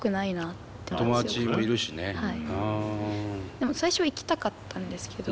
でも最初は行きたかったんですけど。